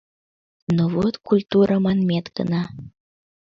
Но вот культура манмет гына...